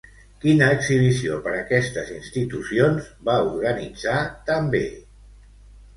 Quina exhibició per aquestes institucions va organitzar també?